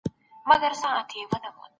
ځینې تعریفونه سړي سر ګټې ته پام نه کوي.